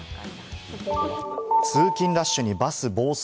通勤ラッシュにバス暴走。